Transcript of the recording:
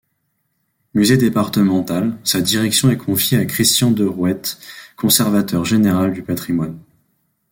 Musée départemental, sa direction est confiée à Christian Derouet, conservateur général du patrimoine.